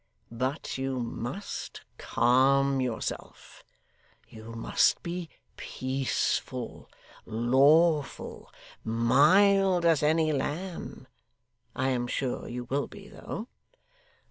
But you must calm yourself; you must be peaceful, lawful, mild as any lamb. I am sure you will be though.